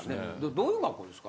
どういう学校ですか？